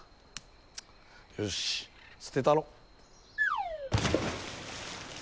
よし捨てたろ。